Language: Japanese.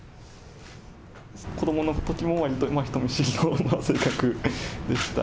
子どものときも、わりと人見知りな性格でした。